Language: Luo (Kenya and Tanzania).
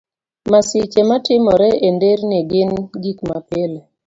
Masiche matimore e nderni gin gik mapile.